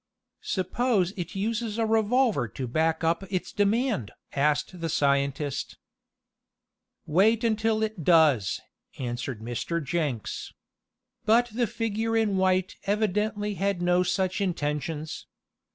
"Suppose it uses a revolver to back up its demand?" asked the scientist. "Wait until it does," answered Mr. Jenks. But the figure in white evidently had no such intentions.